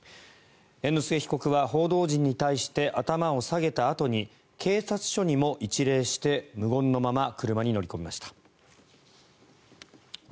猿之助被告は報道陣に対して頭を下げたあとに警察署にも一礼して無言のまま車に乗り込みました。